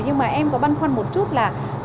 nhưng mà em có băn khoăn một chút là